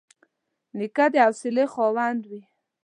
نیکه د حوصلې خاوند وي.